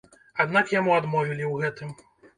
Аднак яму адмовілі ў гэтым.